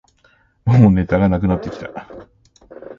もうネタがなくなってきた